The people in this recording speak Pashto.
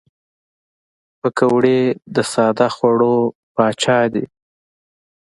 پکورې د ساده خوړو پاچا دي